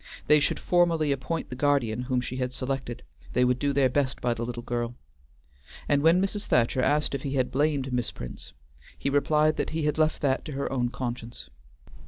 They should formally appoint the guardian whom she had selected; they would do their best by the little girl. And when Mrs. Thacher asked if he had blamed Miss Prince, he replied that he had left that to her own conscience.